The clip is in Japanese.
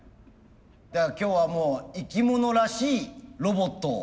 では今日はもう生き物らしいロボットを。